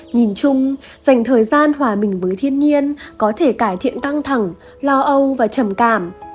nhìn chung dành thời gian hòa bình với thiên nhiên có thể cải thiện căng thẳng lo âu và trầm cảm